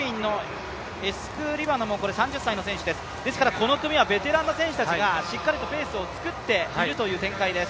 この組はベテランの選手たちがしっかりとペースを作っているという展開です。